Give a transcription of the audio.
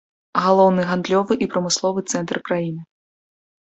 Галоўны гандлёвы і прамысловы цэнтр краіны.